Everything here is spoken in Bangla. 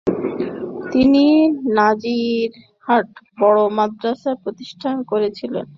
তিনি নাজিরহাট বড় মাদ্রাসা প্রতিষ্ঠা করেছিলেন।